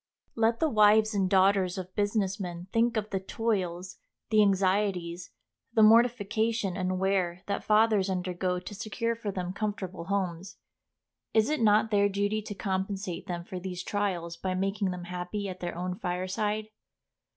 Let the wives and daughters of business men think of the toils, the anxieties, the mortification and wear that fathers undergo to secure for them comfortable homes. Is it not their duty to compensate them for these trials by making them happy at their own fireside?